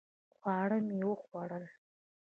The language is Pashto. خواړه مې وخوړل